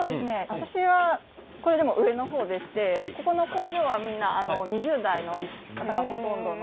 私はこれでも上の方でしてこの工場はみんな２０代の方がほとんどの。